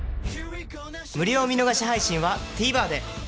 無料見逃し配信は ＴＶｅｒ で